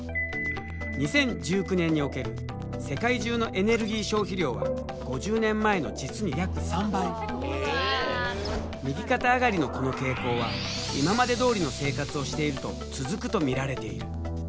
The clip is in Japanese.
２０１９年における世界中のエネルギー消費量は５０年前の実に約３倍右肩上がりのこの傾向は今までどおりの生活をしていると続くと見られている。